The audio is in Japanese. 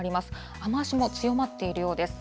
雨足も強まっているようです。